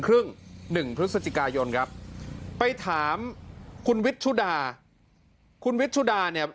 หนึ่งพฤศจิกายนครับไปถามคุณวิทชุดาคุณวิทชุดาเนี่ย